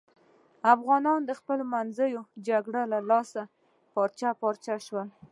افغانان د خپلمنځیو جگړو له لاسه پارچې پارچې شول.